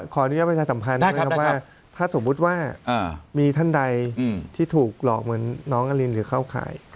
ขอนุญาตบัญชาสัมพันธ์ถ้าสมมติว่าท่านใดที่ถูกหลอกเหมือนน้องกระลินหรือเข้าข่าย